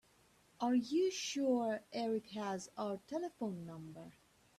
Are you sure Erik has our telephone number?